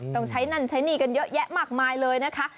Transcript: ต้องใช้นั่นใช้หนี้กันเยอะแยะมากมายเลยนะคะ